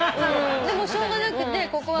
でもしょうがなくてここは。